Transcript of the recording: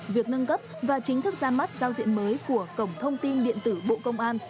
việc nâng cấp và chính thức ra mắt giao diện mới của cổng thông tin điện tử bộ công an